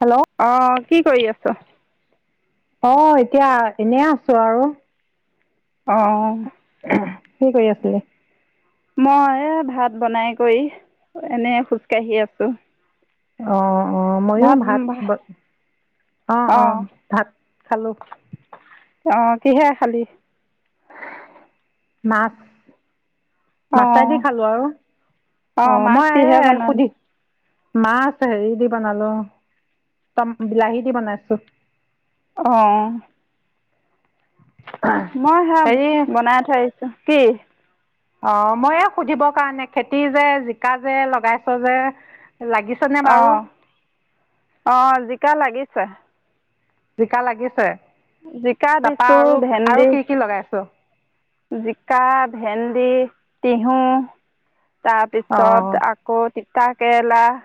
Hello আহ, কি কৰি আছ? অ, এতিয়া এনে আছো আৰু । অ । কি কৰি আছিলে? মই ভাত বনাই কৰি এনে খোজকাঢ়ি আছো । অ । অ, ময়ো ভাত ব অ, অ, অঁ ভাত । হেল্ল' । অ, কিহে খালি । মাছ। অঁ মাছেদি খালো আৰু অ, অঁ মাছ মই কিহেৰে এই বনালি সুধি । মাছ হেৰি দি বনালো, ট বিলাহী দি বনাইছো । অহ । [unintelligible] মই সেয়া, হেৰি বনাই থৈ আহি কি? অ, মই এয়া সুধিবৰ কাৰণে খেতি যে, জিকা যে লগাইছ যে । অ, অ, জিকা লাগি ছে। জিকা লাগিছে । জিকা দিছো, ভেন্দি কি কি লগাইছ । জিকা, ভেন্দি, তিয়হ । অ তাৰপিছত আকৌ । তিতা কেৰেলা ।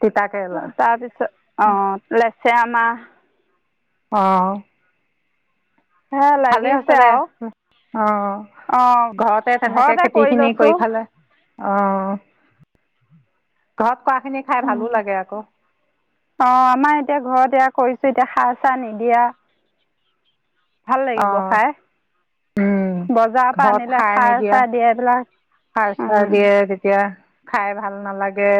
তিতা কেৰেলা তাৰ পিছত অ, ল । চেয়ামা । অহ । সেয়া ভালে হৈছে লাগিছে দে আৰু অ ঘৰতে তেনেকে খেতি খিনি কৰি খালে। অ ঘৰত কৰাখিনি খাই ভালো লাগে আকৌ উম। অ আমাৰ এতিয়া ঘৰত এ কৰিছে এতিয়া খাৰ চাৰ নিদিয়ে অ, উম, বজাৰৰ পৰা ঘৰত আনিলে সাৰ নিদিয়া, চাৰ দিয়ে এইবিলাক সাৰ চাৰ দিয়ে তেতিয়া খাই ভাল নালাগে।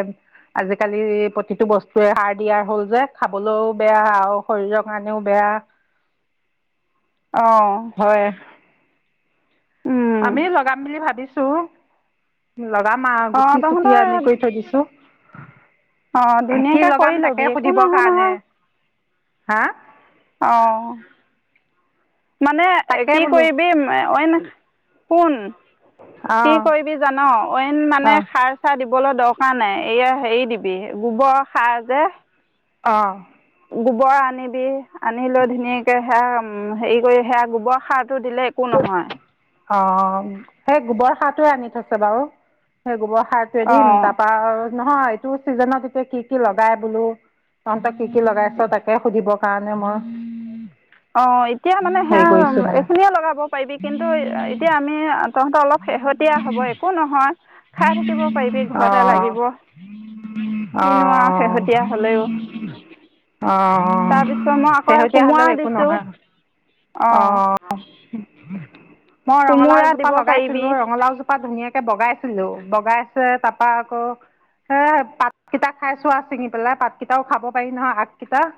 আজিকালি প্ৰতিটো বস্তুৱে সাৰ দিয়া হ'ল, যে খাবলৈও বেয়া আৰু শৰীৰৰ কাৰণেও বেয়া অহ হয় আমি লগাম বুলি ভাবিছো লগাম আৰু অঁ গুটি-চুটি আনি কৰি থৈ দিছো। অ অ ধুনীয়াকে কৰি লবি, একো নহয় কাৰণে নহয়। হা? অহ মানে তাকে কি বোলো কৰিবি এ ঐন কোন? কি অঁ কৰিবি জান? ঐন মানে অ' খাৰ চাৰ দিব দিবলৈ দৰকাৰ নাই, এয়া হেৰি দিবি গোবৰ সাৰ যে? অহ গোবৰ আনিবি আনি লৈ ধুনীয়াকে হেয়া উ হেৰি কৰি সেয়া গোবৰ সাৰটো দিলে একো নহয়। অ সেই গোবৰৰ সাৰটোয়ে আনি থৈছে বাৰু সেই গোবৰৰ সা থৈ দিম, অঁ তাৰপৰা আউ নহয় এইটো চিজনত এতিয়া কি-কি লগাই বোলো, তহঁতে কি-কি লগাইছ তাকে সুধিব কাৰণে মই অ এতিয়া মানে হেৰি সেয়া কৰিছোঁ মানে এইখিনিয়ে লগাব পাৰিবি কিন্তু এতিয়া আমি তহঁতৰ অলপ শেহতীয়া হ'ব একো নহয়। খাই থাকিব পাৰিবি ঘৰতে অ' লাগিব, অ' কিনো আৰু অ' শেহতীয়া হ'লেও। অঁ তাৰপিছত মই আকৌ শেহতীয়া কোমোৰা হ'লেও একো দিছোঁ নহয়। অ' অঁ উম মই কোমোৰা ৰঙালাওজোপা দিব লগাইছিলো, পাৰিবি ৰঙালাওজোপা ধুনীয়াকে বগাই ছিলো বগাইছে, তাৰপা আকৌ সে পাতকেইটা খাইছোৱা, আৰু ছিঙি পেলাই পাতকেইটাও খাব পাৰি নহয় আগ কেইটা ।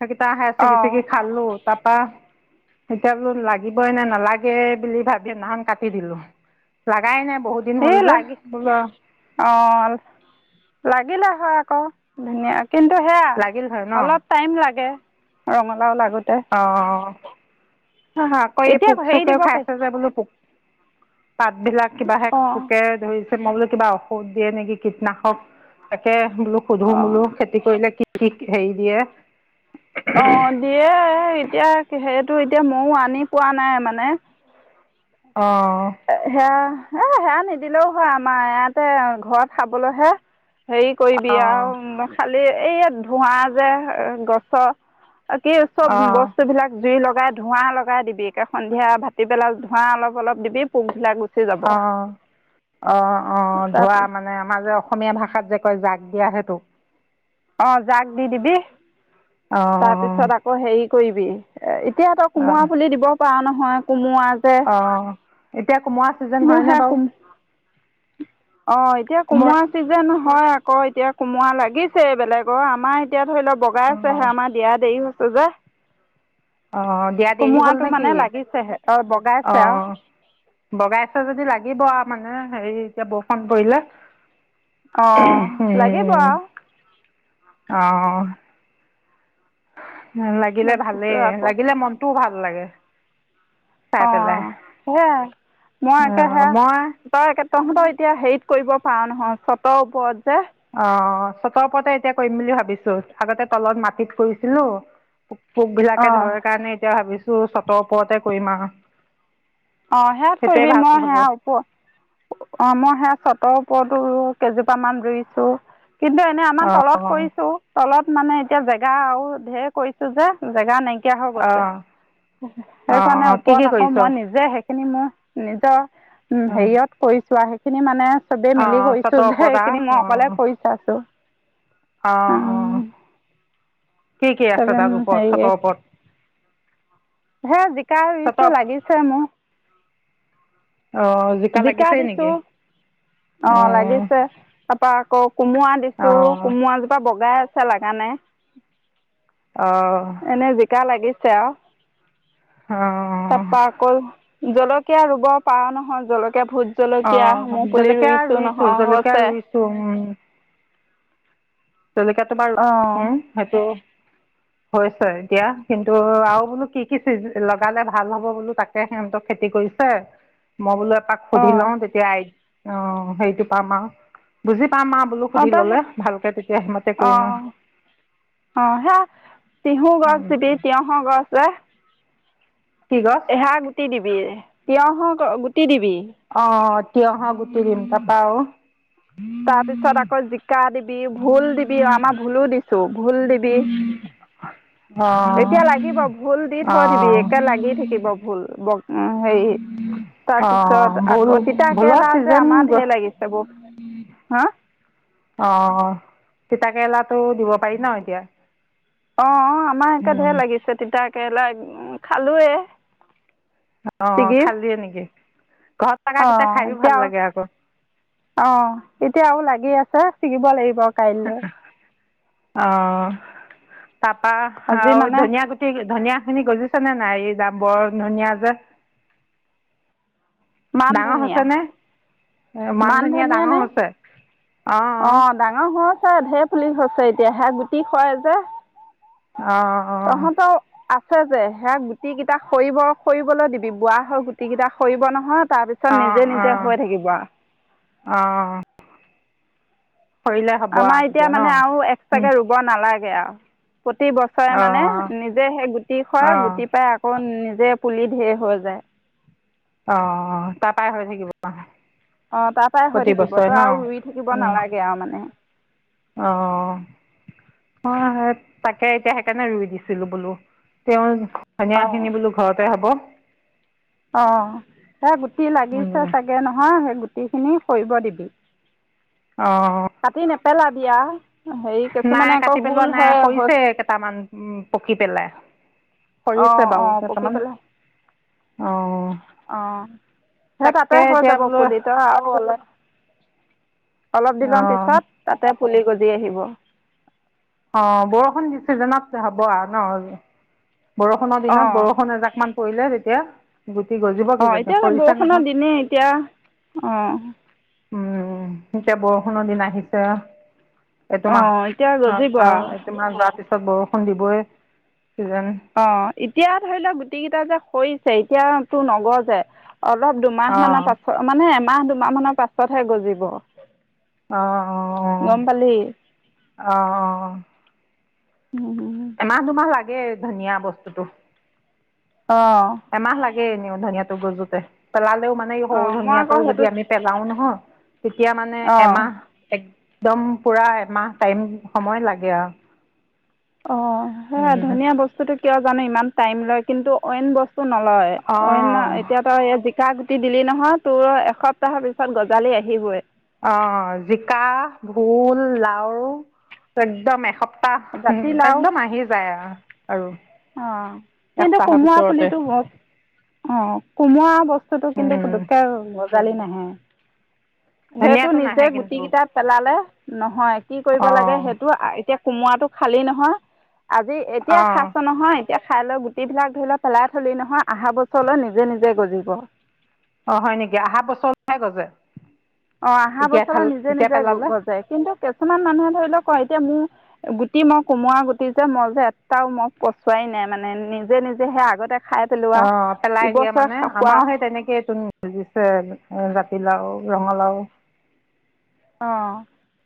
সেইকেইটা হে চিঙি অঁ চিঙি খালো তাৰপা এতিয়া বোলো লাগিবই নে নালাগে বুলি ভাবি সেইদিনাখন কাটি দিলো লাগাই নাই বহু দিন হ'ল এই যে লাগি বোলো অ লাগিলে হয় । ক ধনীয়া কিন্তু সেয়া লাগিল হয় ন অলপ টাইম লাগে । ৰঙালাও লাগ অ হ হা কৈ এতিয়া পোক হেৰি চোকে দিব পাৰি খাইছে যে বোলো পোক পাত বিলাক কিবাহে অঁ পোকে ধৰিছে । মই বোলো কিবা ঔষধ দিয়ে নেকি কীটনাশক তাকে বোলো সোধো অঁ বোলো খেতি কৰিলে কি কিক হেৰি দিয়ে অ দিয়ে এই এতিয়া সেইটো এতিয়া মইও আনি পোৱা নাই মানে অঁ এ সেয়া নিদিলেও হয় আমাৰ ইয়াতে ঘৰত খাবলৈহে হেৰি কৰিবি অঁ আৰু মই খালো । ৱেই এয়াত ধোঁৱা যে গছৰ কি চব অঁ বস্তু বিলাক জুই লগা ধোঁৱা লগাই দিবি সন্ধিয়া ভাটিবেলাত ধোঁৱা অলপ অলপ দিবি। [unintelligible] অ অ অ ধোৱা তাৰ মানে আমাৰ যে অসমীয়া ভাষাত যে কয় জাক দিয়া সেইটো অ জাক দি দিবি অঁ তাৰ পিছত আকৌ হেৰি কৰিবি এই এতিয়া ত অঁ কোমৰা পুলি দিব পাৰা নহ । হয় কোমৰা ছে অঁ এতিয়া কোমোৰা ছিজন মোৰ হয়নে হে বাৰু কুমো অ এতিয়া কোমোৰা চিজেন হয় আ আকৌ এতিয়া কোমোৰা লাগিছে বেলেগৰ আমাৰ এতিয়া ধৰি ল' বগাই আছেহে অঁ আম দেৰি হৈছে যে। অঁ দিয়া দেৰি হ'ল কোমোৰাটো নেকি মানে লাগিছেহে। [unintelligible] বগাইছে আৰু। অঁ বগাইছে যদি লাগিব আৰু মানে, হেৰি এতিয়া বৰষুণ পৰিলে। অ' লাগিব উম আৰু। অঁ লাগিলে ভালে তাৰপিছত । আকৌ লাগিলে মন টো ভাল লাগে। চাই পেলাই অ' সেয়াই । মই একে অঁ সেয়া মই তই এক- তহঁতৰ এতিয়া হেৰিত কৰিব পান হয়। ছতৰ ওপৰত যে। অ' চতৰ ওপৰতে এতিয়া কৰিম বুলি ভাবিছোঁ। আগতে তলত মাটিত কৰিছিলোঁ । পোক-চোকবিলাকে অঁ ধৰে কাৰণে এতিয়া ভাবিছোঁ তোও চতৰ ওপৰতে কৰিম আৰু। অ' সেয়াত সেইটোৱে কৰিবি । ভাল মই হ'ব সেয়া ওপ- অ' মই সেয়া চত তৰ ওপৰতো কেইজোপামান ৰুইছোঁ। কিন্তু এনে আমাৰ অঁ তলত অঁ কৰিছোঁ। তলত মানে এতিয়া জেগা আৰু ঢেৰ কৰিছোঁ যে, জেগা নাই এতিয়া হৈ গৈছে অঁ । সেইকাৰণে অঁ কি ওপৰত কি আকৌ কৰিছ মই নি সেইখিনি মোৰ নিজৰ উম, হেৰিহত কৰি চোৱা খিনি মানে চবে মিলি অঁ কৰিছোঁ চটৰ যে, ওপৰত আৰু এইখিনি মই অঁ অকলে কৰি চাইছোঁ । অঁ অঁ উম, কি কি আছে তাৰ চবে- ওপৰত চটৰ হেৰিয়ে ওপৰত সেয়া জিকা চটৰ ৰুইছোঁ, লাগিছে মোৰ অঁ জিকা লাগিছেই দিছোঁ নেকি ।‌ অ' অঁ লাগিছে। তাৰপৰা আকৌ কোমোৰা দিছোঁ। অঁ কোমোৰাজোপা বগাই ছা লাগা নাই? অঁ এনে জিকা লাগি ছে আও। অ'। জলকীয়া ৰুব পাৰা নহয় এতিয়া ভোট জলকীয়া অঁ মই পুলি জলকীয়া ৰুইছোঁ নহয়, জলকীয়া হৈছে। ৰুইছোঁ জলকীয়াটো বাৰু অঁ ৰুইছোঁ। সেইটো হৈছে এতিয়া । কিন্তু আৰু বোলো কি কি চি- লগালে ভাল হ'ব বোলো, তাকে সিহঁতক খেতি কৰিছে । মই বোলো তাক সুধি অঁ লওঁ । তেতিয়া আই অ' সেইটো পাম আৰু । বুজি পাম আ বোলো সুধি ল'লে, ভালকে তে অ অ সেইয়া তিহু গছ, আৰু দিবি তিয়হৰ গছ, - ৱাহ [unintelligible] কি গছ এহা গুটি দিম- দিয়ে তিয়ঁহৰ গুটি দিবি অ তিয়ঁহ গুটি দিম তাপা আৰু তাৰ পিছত আকৌ জিকা দিবি, ভুল দিবি আমাৰ ভুলো দিছো ভুল দিবি। হয়। এতিয়া লাগিব ভুল দি থৈ দিবি অঁ এতিয়া লাগি থাকিব ভুল উম হেৰি অঁ তাৰপিছত ভোল আকৌ তিতা ভোলৰ কেৰেলা যে ছিজন আমাৰ গছ ঢেৰ লাগিছে বু হা অহ তিতাকেৰেলা টো দিব পাৰি ন এতিয়া অ আমাৰ এতিয়া ঢেৰ লাগিছে তিতা কেৰেলা উম খালোৱে অঁ ছাগে খালিয়ে নেকি ঘৰত অ থকাকেইটা খায়ো ভাল এতিয়া লাগে আকৌ অ এতিয়াও লাগি আছে। ছিঙিব লাগিব কাইলৈ- অহ তাপা আজি আৰু মানে ধনিয়া গুটি, ধনীয়া খিনি গজিছে নে নাই এইকেইটা বৰ ধনিয়া যে মান ডাঙৰ ধনিয়া হৈছে নে, মান ধনিয়া ডাঙৰ হৈছে অ অঁ ডাঙৰ হৈছে। সেই ঢেৰ পুলি হৈছে এতিয়া, হে গুটি সৰে যে অহ -অহ তহঁতৰ আছে যে সেই গুটি কেইটা সৰিব সৰিবলৈ দিবি বুঢ়া হৈ গুটি কেইটা সৰিব নহয় তাৰ পিছত নিজে নিজে হৈ থাকিব অ আমাৰ এতিয়া মানে আৰু এক্সট্ৰাকে ৰুব নালাগে। সেইয়া [unintelligible] প্ৰতি বছৰে মানে নিজে সেই গুটি হয় অঁ গুটি পাই আকৌ নিজে পুলি ঢেৰ হৈ যায়। অ, তাৰ পৰাই হৈ থাকিব । অ, তাৰ পৰাই হৈ থাকিব তই আৰু ৰুই থাকিব নালাগে আৰু মানে । অ, মই তাকে এতিয়া সেইকাৰণে ৰুই দিছিলো বোলো তেওঁ ধনিয়াখিনি বোলো ঘৰতে হ'ব । অ, সেই গুটি লাগিছে চাগে নহয়? সেই গ গোটেইখিনি কৰিব দিবি। অ । পেলাবিয়া নাই, কাটি পেলোৱা নাই, হৰিছে হৈছে কেইটামান উম পকি পেলাই। সৰিছে আহ, বাৰু আহ পকি কেইটামান পেলাই, অঁ আহ সেই তাতে তাকে হৈ এতিয়া যাব বোলো পুলি তই আৰু অলপ অলপ দি লম অঁ পিছত তাতে পুলি গজি আহিব। অ বৰষুণ দিছেজনত হ'ব আৰু ন । বৰষুণৰ অঁ দিনত বৰষুণ এজাকমান। কৰিলোৱা তেতিয়া । অ, এতিয়া বৰষুণৰ দিনেই, এতিয়া অ । উম, এতিয়া বৰষুণৰ দিন আহিছে। অঁ এতিয়া এইটোমাহ। গজিব আৰু [unintelligible] অটোোমা যোৱাৰ পিছ বৰষুণ দিবই। কিজানি অ, এতিয়া ধৰি লওক গুটি কেইটা যে হৰিচে এতিয়াটো নগজে । অলপ দুমাহ অঁ মানৰ পাছত, মানে এমাহ মাহ মানৰ পাছতহে গজিব। আহ, গম পালি আহ। এমাহ দুমাহ লা গে ধুনীয়া বস্তুটো। অ । গে এনেও ধনীয়াতো গজুতে ত ল টো মানে সৰু অঁ মই ধুনীয়াটো আকৌ যদি সেইটো আমি পেলাও নহয়? তেতিয়া মানে অঁ এমাহ, এক একদম পুৰা এমাহ টাইম সময় লাগে আৰু। অ, সে ধনীয়া বস্তুটো কিয় জানে ই ইমান টাইম লয়, কিন্তু অইন ব নলয়। অনা অঁ এতিয়া তা তই গুটি দিলি নহয় তোৰ এসপ্তাহৰ পিছত গঁজালি আহিবই। অ জিকা, ভোল, লাও একদম এসপ্ত পাহ জাতিলাও একদম আহি যায় আৰু-আৰু অ কিন্তু কোমোৱা পুলিটো বচ অ কোমোৱা বস্তুটো কিন্তু উম পুটুককৈ। গঁজালি নাহে। সেইটো ধনিয়াটো নিজে নাহে কিন্তু গুটি কিটা পেলালে নহয় ।কি কৰিব লাগে অঁ সেইটো এতিয়া। কোমোৰা টো খালি নহয়। আজি এতিয়া খা। অ', নহয় এতিয়া খাই লৈ গুটি বিলাক ধৰি লও পেলাই থলি নহয় অহা বছৰলৈ নিজে নিজে গজিব। অ হয় নেকি আহা বছৰলৈহে গজে। অ আহা এতিয়া বছলে খাল নিজে এতিয়া নিজে পেলালে গজে কিন্তু কিছুমান মানুহে ধৰি লওক ক এতিয়া মোৰ। গুটি মই কোমোৱা গুটি যে মই যে এটাও মই পচোৱাই নাই মানে নিজে নিজে সে আগতে। খাই পেলোৱা অ পেলাই দিয়া ইবছৰ মানে খোৱা আমাৰও সেই তেনেকে চোন গজিছে। জাতিলাও, ৰঙালাও। অ।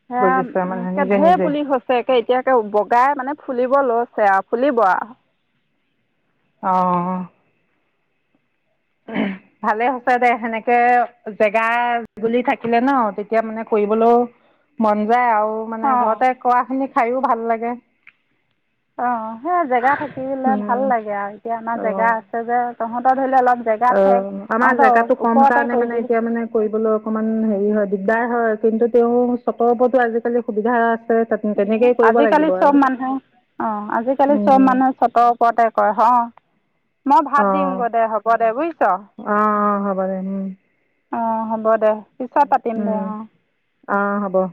সেয়া গজিছে মানে কে নিজে ধেই নিজে পুলি হৈছে একে এতিয়াকে বগাই মানে। ফুলিব লৈছে আও ফুলিব আও। অ। ভালে হৈছে দে সেনেকে জেগা বুলি থাকিলে ন তেতিয়া মানে কৰিবলৈও মন যায় আৰু। মোৰ মানে অঁ ঘৰতে কৰা খিনি। খাইয়ো ভাল লাগে। অ সেই জেগা থাকিলে ভাল উম লাগে আৰু এতিয়া আমাৰ জেগা অ', আছে যে। তহঁত ধৰিল অলপ । অ আমাৰ জেগাতটো কম কাৰণে মানে কৰিবি এতিয়া মানে কৰিবলৈ অকমান হেৰি হয়। দিগদাৰ হয় কিন্তু তেওঁ চটৰ ওপৰতো আজিকালি সুবিধা। তেনেকেই কৰিব আজিকালি লাগিব আৰু চব মানুহে অ আজিকালি চব উম, মানুহে চতৰ ওপৰতে কৰে হ অ। মই ভাত দিম অ' গৈ দে হ'ব দে বুইছ অ' অ' হ'ব দে উম, । অ হ'ব দে। পিছত পাতিম দে উম, অ। অ' হ'ব